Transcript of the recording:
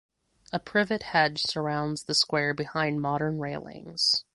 A privet hedge surrounds the square behind modern railings.